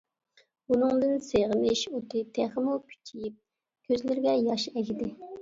بۇنىڭدىن سېغىنىش ئوتى تېخىمۇ كۈچىيىپ كۆزلىرىگە ياش ئەگىدى.